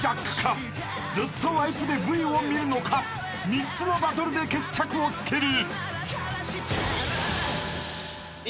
［３つのバトルで決着をつける］